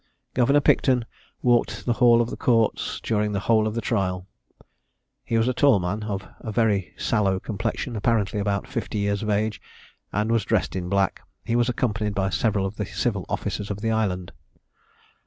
Governor Picton walked the hall of the courts during the whole of the trial. He was a tall man, of a very sallow complexion, apparently about fifty years of age, and was dressed in black. He was accompanied by several of the civil officers of the island.